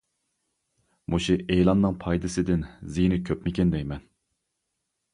مۇشۇ ئېلاننىڭ پايدىسىدىن زىيىنى كوپمىكىن دەيمەن.